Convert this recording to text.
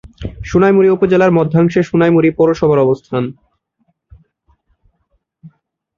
সোনাইমুড়ি উপজেলার মধ্যাংশে সোনাইমুড়ি পৌরসভার অবস্থান।